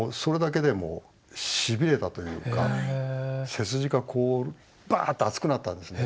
背筋がこうバッと熱くなったんですね。